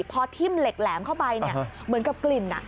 พอทิ้มเหล็กแหลมเข้าไปเหมือนกับกลิ่น